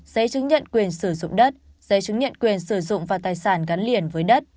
giấy chứng nhận quyền sử dụng đất giấy chứng nhận quyền sử dụng và tài sản gắn liền với đất